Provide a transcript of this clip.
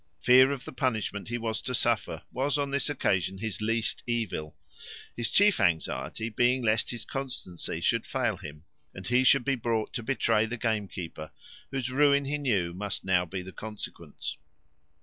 Fear of the punishment he was to suffer was on this occasion his least evil; his chief anxiety being, lest his constancy should fail him, and he should be brought to betray the gamekeeper, whose ruin he knew must now be the consequence.